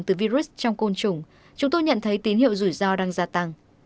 từ virus trong côn trùng chúng tôi nhận thấy tín hiệu rủi ro đang gia tăng